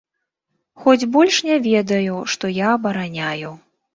Хоць больш не ведаю, што я абараняю.